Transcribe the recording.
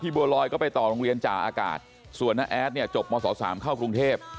พี่โบรอยก็ไปต่อโรงเรียนจ่าอากาศส่วนแอฟสักครั้งหนึ่งจบโมสต๓เข้ากรุงเทพฯ